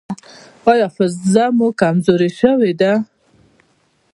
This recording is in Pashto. ایا حافظه مو کمزورې شوې ده؟